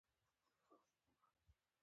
تنور د کور دننه یا بهر جوړېږي